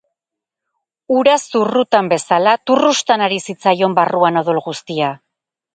Ura zurrutan bezala, turrustan ari zitzaion barruan odol guztia.